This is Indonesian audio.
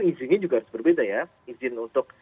izinnya juga harus berbeda ya izin untuk